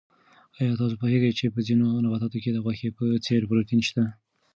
آیا تاسو پوهېږئ چې په ځینو نباتاتو کې د غوښې په څېر پروټین شته؟